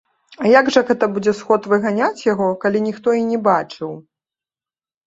А як жа гэта будзе сход выганяць яго, калі ніхто і не бачыў?